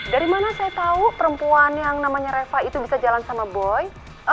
dari mana saya tahu perempuan yang namanya reva itu bisa jalan sama boy